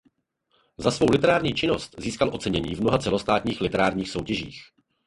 Za svou literární činnost získal ocenění v mnoha celostátních literárních soutěžích.